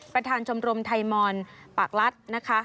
ประธานชมรมไทมอนค์ปากลัตน่ะค่ะ